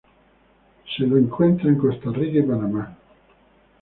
Se lo encuentra en Costa Rica y Panamá.